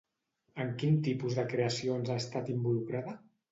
En quin tipus de creacions ha estat involucrada?